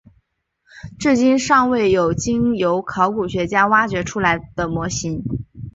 至今尚未有经由考古学家挖掘出来的模型。